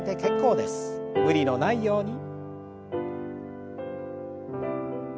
無理のないように。